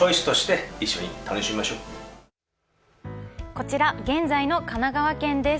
こちら現在の神奈川県です。